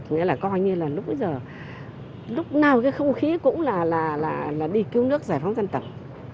nghĩa là coi như là lúc bây giờ lúc nào cái không khí cũng là đi cứu nước giải phóng dân tộc